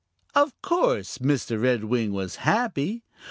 Of course Mr. Redwing was happy.